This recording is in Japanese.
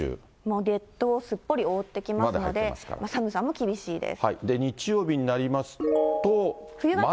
列島をすっぽり覆ってきますので、寒さも厳しいです。